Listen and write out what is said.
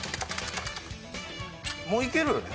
もういけるよね